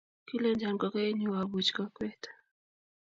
kilenchon kokoenyu abuch kokwet